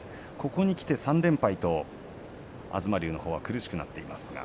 ここにきて３連敗と東龍のほうは苦しくなっています。